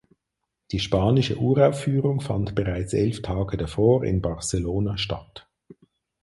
Die spanische Uraufführung fand bereits elf Tage davor in Barcelona statt.